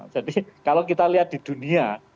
jadi kalau kita lihat di dunia